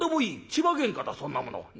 痴話げんかだそんなものは」。